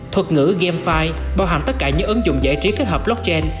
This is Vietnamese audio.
thuật ngữ gamefi bao hẳn tất cả những ứng dụng giải trí kết hợp blockchain